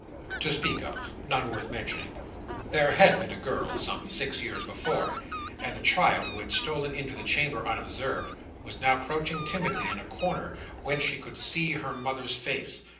—To speak of; none worth mentioning. There had been a girl some six years before, and the child, who had stolen into the chamber unobserved, was now crouching timidly, in a corner whence she could see her mother's face.